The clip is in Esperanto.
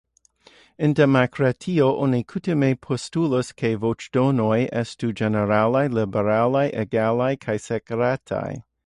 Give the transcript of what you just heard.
En demokratio, oni kutime postulas ke voĉdonoj estu ĝeneralaj, liberaj, egalaj kaj sekretaj.